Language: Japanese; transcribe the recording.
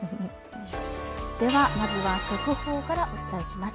では、まずは速報からお伝えします。